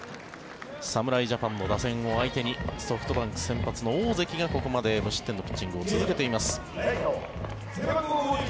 侍ジャパンの打線を相手にソフトバンク先発、大関がここまで無失点のピッチングを続けています。